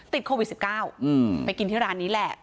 ติดโควิด๑๙ไปกินที่ร้านนี้แหละ